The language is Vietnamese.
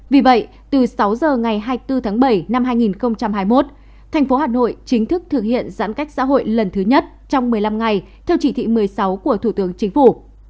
vì vậy từ sáu giờ ngày hai mươi bốn tháng bảy năm hai nghìn hai mươi một thành phố hà nội chính thức thực hiện giãn cách xã hội lần thứ nhất trong một mươi năm ngày theo chỉ thị một mươi sáu của thủ tướng chính phủ